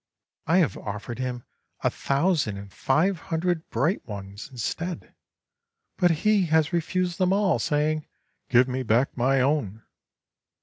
I have offered him a thousand and five hundred bright ones instead, but he has refused them all, saying, 'Give me back my own.'